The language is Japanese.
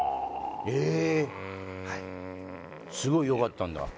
えっはいすごいよかったんだ？